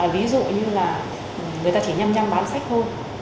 ví dụ như là người ta chỉ nham nham bán sách thôi